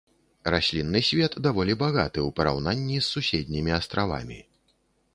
Раслінны свет даволі багаты ў параўнанні з суседнімі астравамі.